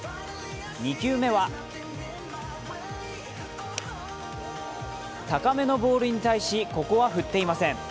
２球目は高めのボールに対しここは振っていません。